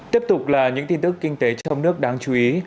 tiếp tục là những tin tức kinh tế trong nước đáng chú ý